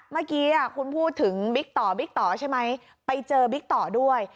เมื่อกี้คุณพูดถึงบิ๊กต่อบิ๊กต่อใช่ไหมไปเจอบิ๊กต่อด้วย